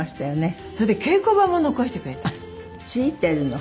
それで稽古場も残してくれたの。